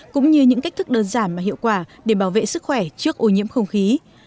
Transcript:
cũng như những cách thức đơn giản và hiệu quả để bảo vệ sức khỏe trước ô nhiễm không khí